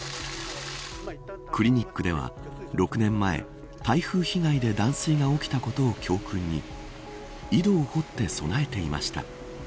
クリニックでは６年前台風被害で断水が起きたことを教訓に井戸を掘って備えていました。